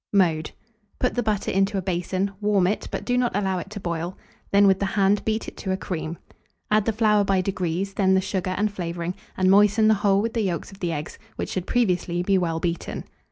Mode. Put the butter into a basin; warm it, but do not allow it to oil; then with the hand beat it to a cream. Add the flour by degrees, then the sugar and flavouring, and moisten the whole with the yolks of the eggs, which should previously be well beaten.